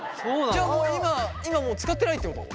じゃあ今もう使ってないってこと？